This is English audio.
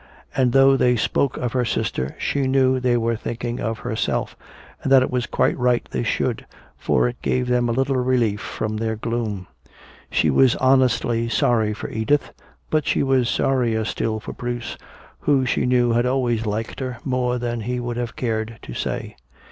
And though they spoke of her sister, she knew they were thinking of herself, and that it was quite right they should, for it gave them a little relief from their gloom. She was honestly sorry for Edith, but she was sorrier still for Bruce, who she knew had always liked her more than he would have cared to say.